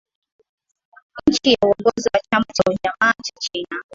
Chini ya uongozi wa chama cha Ujamaa cha China